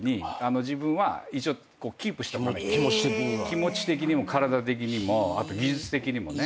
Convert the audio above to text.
気持ち的にも体的にもあと技術的にもね。